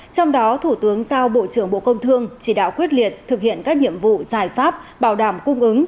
trong đó thủ tướng giao bộ trưởng bộ công thương chỉ đạo quyết liệt thực hiện các nhiệm vụ giải pháp bảo đảm cung ứng